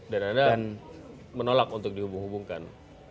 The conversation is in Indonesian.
dan anda menolak untuk dihubung hubungkan